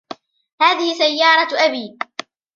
هذه سيارة أبي.